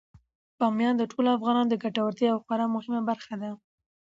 بامیان د ټولو افغانانو د ګټورتیا یوه خورا مهمه برخه ده.